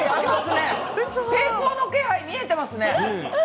成功の気配が見えてますね。